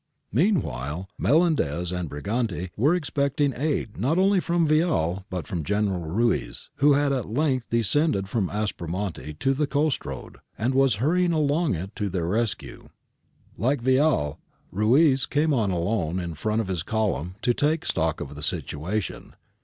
Meanwhile, Melendez and Briganti were expecting aid not only from Vial, but also from General Ruiz, who had at length descended from Aspromonte to the coast road, and was hurrying along it to their rescue. Like Vial, Ruiz came on alone in front of his column to take stock of the situation.